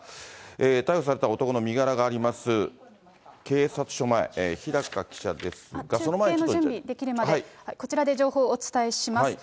逮捕された男の身柄があります警察署前、ひだか記者ですが、その中継の準備ができるまで、こちらで情報をお伝えします。